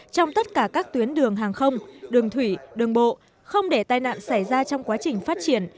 trong tất cả các tuyến đường hàng không đường thủy đường bộ không để tai nạn xảy ra trong quá trình phát triển